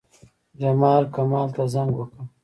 جمال، کمال ته زنګ وکړ.